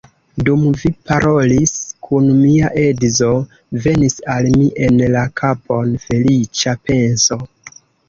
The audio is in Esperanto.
Dum vi parolis kun mia edzo, venis al mi en la kapon feliĉa penso.